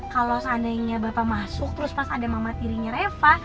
kalau seandainya bapak masuk terus pas ada mama tirinya reva